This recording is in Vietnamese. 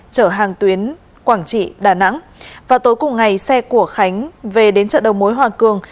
chở hàng tuyến quảng trị đà nẵng vào tối cùng ngày xe của khánh về đến chợ đầu mối hoàng cường